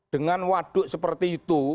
dengan waduk seperti itu